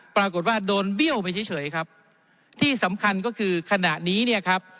ปรากฏว่าโดนเบี้ยวไปเฉยเฉยครับที่สำคัญก็คือขณะนี้เนี่ยครับ